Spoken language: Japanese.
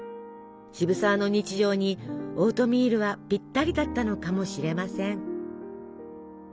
渋沢の日常にオートミールはぴったりだったのかもしれません。